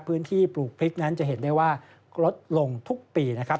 ปลูกพริกนั้นจะเห็นได้ว่าลดลงทุกปีนะครับ